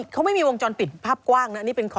คู่ไม่ใช่กรีค